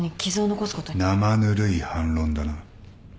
生ぬるい反論だな。